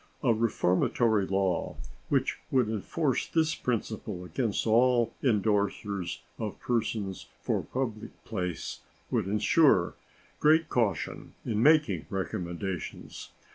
A reformatory law which would enforce this principle against all indorsers of persons for public place would insure great caution in making recommendations.